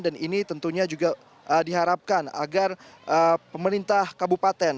dan ini tentunya juga diharapkan agar pemerintah kabupaten